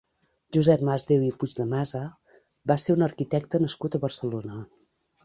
Josep Masdéu i Puigdemasa va ser un arquitecte nascut a Barcelona.